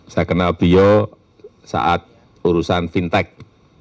saya kenal bio saat urusan fintech